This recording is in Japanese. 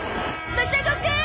マサ五くん！